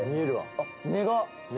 あっ根が。